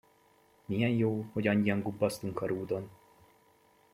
Milyen jó, hogy annyian gubbasztunk a rúdon!